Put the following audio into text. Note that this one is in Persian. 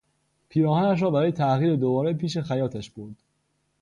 پیراهنش را برای تغییر دوباره پیش خیاطش برد.